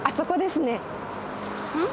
うん？